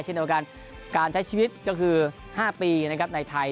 เช่นเฉพาะการใช้ชีวิตก็คือ๕ปีในไทย